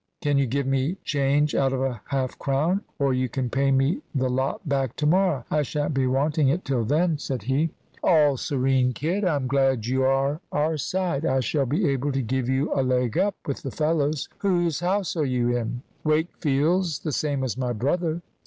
Can you give me change out of a half crown? Or you can pay me the lot back to morrow, I shan't be wanting it till then," said he. "All serene, kid; I'm glad you are our side. I shall be able to give you a leg up with the fellows. Whose house are you in?" "Wakefield's, the same as my brother."